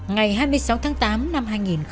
ngày hai mươi sáu tháng tám năm hai nghìn một mươi chín